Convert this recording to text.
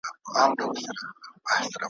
ما هم لرله په زړه کي مینه `